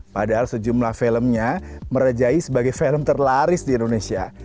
padahal sejumlah filmnya merejai sebagai film terlaris di indonesia